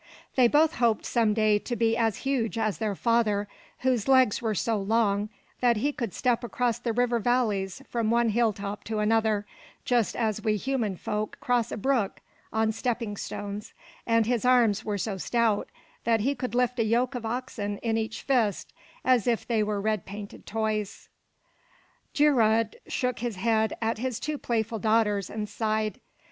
They both hoped some day to be as huge as their father, whose legs were so long that he could step across the river valleys from one hilltop to another, just as we human folk cross a brook on stepping stones; and his arms were so stout that he could lift a yoke of oxen in each fist, as if they were red painted toys. Geirröd shook his head at his two playful daughters and sighed.